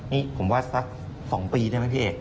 นี่ผมว่าสัก๒ปีได้ไหมพี่เอก